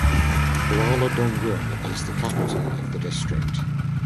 Kuala Dungun is the capital of the district.